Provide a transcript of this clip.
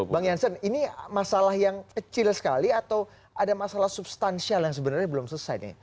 bang jansen ini masalah yang kecil sekali atau ada masalah substansial yang sebenarnya belum selesai nih